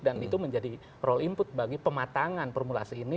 dan itu menjadi role input bagi pematangan formulasi ini